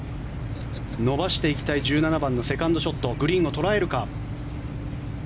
伸ばしていきたい１７番のセカンドショットグリーンを捉えるか。